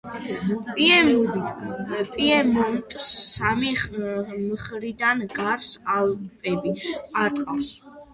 პიემონტს სამი მხრიდან გარს ალპები არტყავს.